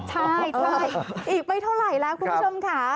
ใช่อีกไม่เท่าไหร่แล้วคุณผู้ชมค่ะ